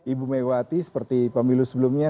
ibu megawati seperti pemilu sebelumnya